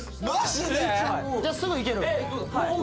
じゃすぐ行ける？